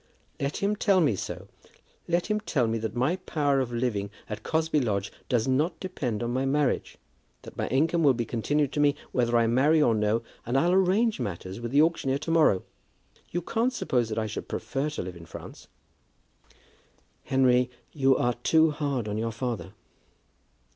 "Let him tell me so; let him tell me that my power of living at Cosby Lodge does not depend on my marriage, that my income will be continued to me whether I marry or no, and I'll arrange matters with the auctioneer to morrow. You can't suppose that I should prefer to live in France." "Henry, you are too hard on your father."